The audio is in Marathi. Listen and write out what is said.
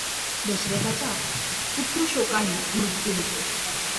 दशरथाचा पुत्रशोकाने मृत्यू होतो.